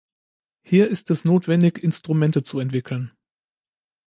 Hier ist es notwendig, Instrumente zu entwickeln.